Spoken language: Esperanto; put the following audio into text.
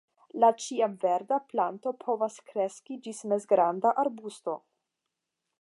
La ĉiamverda planto povas kreski ĝis mezgranda arbusto.